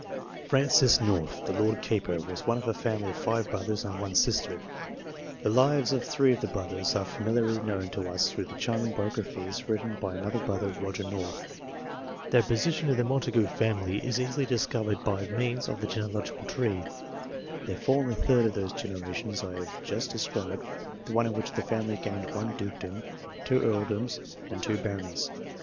Francis North, the Lord Keeper, was one of a family of five brothers and one sister. The lives of three of the brothers are familiarly known to us through the charming biographies written by another brother, Roger North. Their position in the Montagu family is easily discovered by means of the genealogical tree. They fall in the third of those generations I have just described the one in which the family gained one dukedom, two earldoms, and two baronies.